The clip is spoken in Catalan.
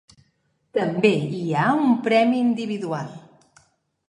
També hi ha un premi individual.